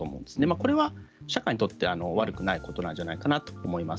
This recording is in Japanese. これは社会にとって悪くないことなんじゃないかなと思います。